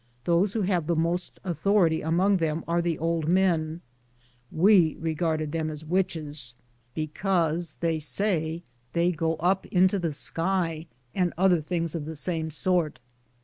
Those who have the roost authority among them are the old men ; we regarded them as witches, because they say that they go up into the sky and other things of the same aort.